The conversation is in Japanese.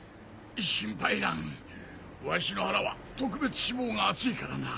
心配いらんわしの腹は特別脂肪が厚いからな。